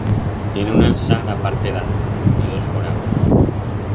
Tiene una ansa en a parte d'alto, y dos foraus